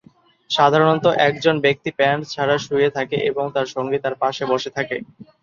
সাধারণত একজন ব্যক্তি প্যান্ট ছাড়া শুয়ে থাকে এবং তার সঙ্গী তার পাশে বসে থাকে।